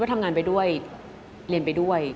ทำงานไปด้วยเรียนไปด้วย